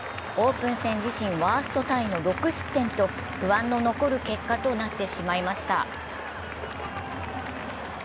オープン戦自身ワーストタイの６失点と不安の残る結果となってしまいました。